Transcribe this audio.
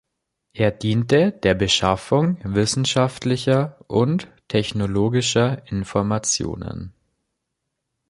Er diente der Beschaffung wissenschaftlicher und technologischer Informationen.